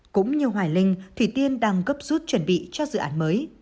cũng như hoài linh thủy tiên đang gấp rút chuẩn bị cho dự án mới